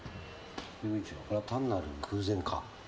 遊軍長これは単なる偶然か？